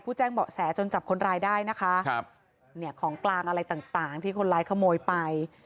ผู้แจ้งเบาะแสจนจับคนร้ายได้นะคะของกลางอะไรต่างที่คนร้ายขโมยไป